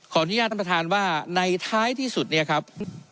อนุญาตท่านประธานว่าในท้ายที่สุดเนี่ยครับ